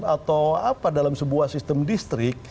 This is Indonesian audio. atau apa dalam sebuah sistem distrik